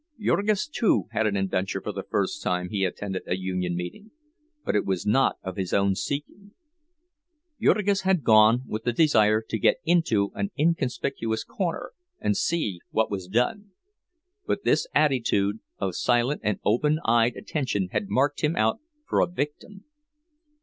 Jurgis too had an adventure the first time he attended a union meeting, but it was not of his own seeking. Jurgis had gone with the desire to get into an inconspicuous corner and see what was done; but this attitude of silent and open eyed attention had marked him out for a victim.